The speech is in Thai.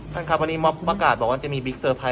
ถ้าวันนี้ว่าจะทำสะระการได้ขึ้นมั้ย